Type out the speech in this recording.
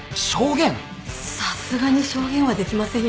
さすがに証言はできませんよ。